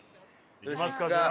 行きますかじゃあ。